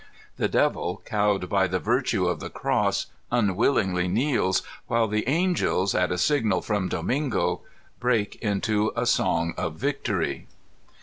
The Devil, cowed by the virtue of the cross, imwillingly kneels, while the angels, at a signal from Domingo, break into a song of victory.